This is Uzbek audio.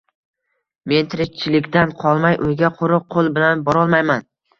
Men tirikchilikdan qolmay, uyga quruq qo‘l bilan borolmayman